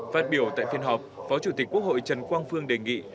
phát biểu tại phiên họp phó chủ tịch quốc hội trần quang phương đề nghị